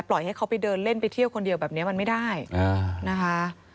ให้เขาไปเดินเล่นไปเที่ยวคนเดียวแบบนี้มันไม่ได้นะคะ